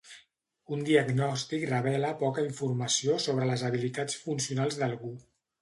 Un diagnòstic revela poca informació sobre les habilitats funcionals d'algú.